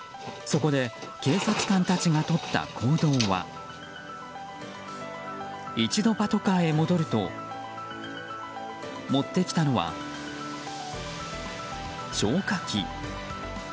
そこで警察官たちがとった行動は一度、パトカーへ戻ると持ってきたのは消火器。